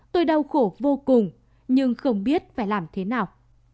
tôi đau khổ vô cùng nhưng không biết phải làm thế nào